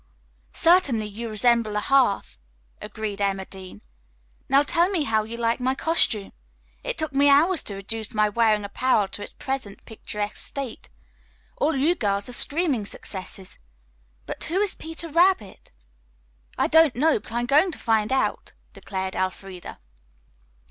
"Certainly, you resemble a hearth," agreed Emma Dean. "Now tell me how you like my costume. It took me hours to reduce my wearing apparel to its present picturesque state. All you girls are screaming successes. But who is 'Peter Rabbit'?" "I don't know, but I'm going to find out," declared Elfreda.